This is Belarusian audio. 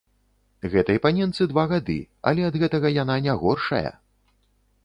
Гэтай паненцы два гады, але ад гэтага яна не горшая!